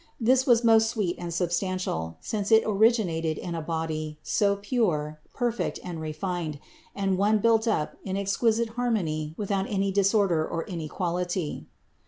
This was most sweet and substantial, since it originated THE INCARNATION 463 in a body so pure, perfect and refined, and one built up in exquisite harmony without any disorder or inequality.